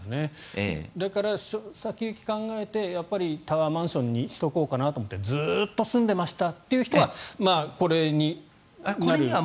だから、先行き考えてタワーマンションにしておこうかなと思ってずっと住んでましたという人はこれには。